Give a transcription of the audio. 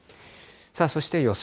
そして予想